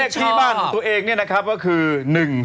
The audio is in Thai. เลขที่บ้านของตัวเองนี่นะครับว่าคือ๑๐๒